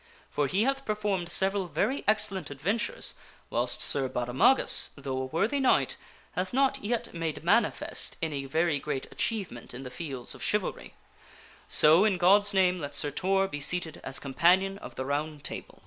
For he hath performed several very excellent fyg* Round adventures, whilst Sir Baudemagus, though a worthy knight, hath not yet made manifest any very great achievement in the fields of 158 PROLOGUE chivalry. So, in God's name, let Sir Tor be seated as companion of the Round Table."